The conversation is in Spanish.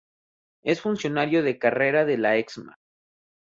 Es funcionario de carrera de la Excma.